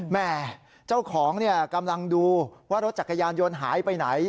แม่เจ้าของกำลังดูว่ารถจักรยานยนต์หายไปไหน